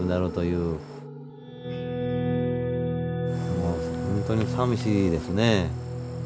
もうほんとにさみしいですね。